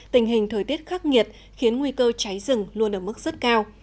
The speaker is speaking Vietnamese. tình hình thời tiết khắc nghiệt khiến nguy cơ cháy rừng luôn ở mức rất cao